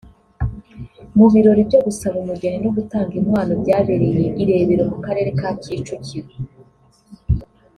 Mu birori byo gusaba umugeni no gutanga inkwano byabereye i Rebero mu Karere ka Kicukiro